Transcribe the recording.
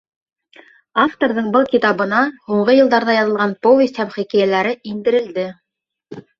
Авторҙың был китабына һуңғы йылдарҙа яҙылған повесть һәм хикәйәләре индерелде.